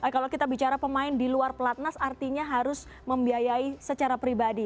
kalau kita bicara pemain di luar pelatnas artinya harus membiayai secara pribadi